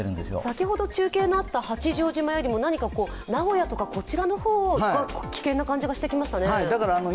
先ほどの中継のあった八丈島よりも、名古屋とかの方が危険な感じがしてきましたね。